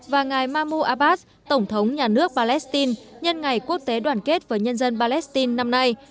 và ngài mahmou abbas tổng thống nhà nước palestine nhân ngày quốc tế đoàn kết với nhân dân palestine năm nay